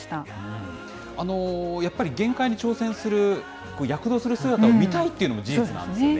やっぱり、限界に挑戦する躍動する姿を見たいというのも事実なんですよね。